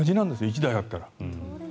１台あったら。